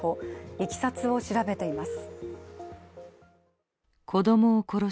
いきさつを調べています。